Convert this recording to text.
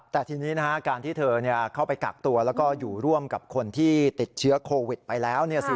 แต่ทีนี้การที่เธอเข้าไปกักตัวแล้วก็อยู่ร่วมกับคนที่ติดเชื้อโควิดไปแล้ว